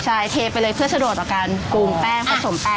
ใช่เทไปเลยเพื่อสะดวกต่อการกูงแป้งผสมแป้ง